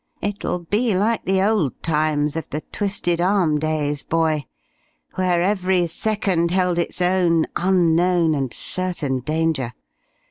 It'll be like the old times of the 'Twisted Arm' days, boy, where every second held its own unknown and certain danger.